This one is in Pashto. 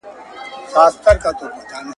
زموږ په وخت کي چي ښځه